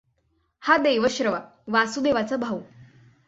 हा देवश्रवा वासुदेवाचा भाऊ.